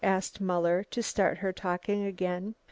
asked Muller, to start her talking again.